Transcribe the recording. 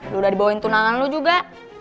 udah dibawain tunangan lu juga